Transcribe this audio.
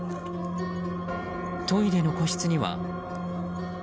トイレの個室には。